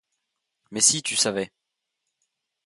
Mais si tu savais!